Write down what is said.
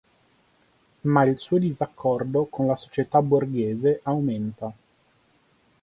Ma il suo disaccordo con la società borghese aumenta.